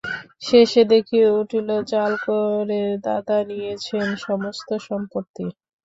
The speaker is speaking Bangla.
শেষে দেখি উইল জাল করে দাদা নিয়েছেন সমস্ত সম্পত্তি।